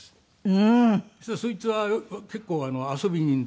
うーん。そしたらそいつは結構遊び人で。